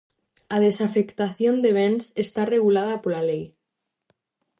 A desafectación de bens está regulada pola lei.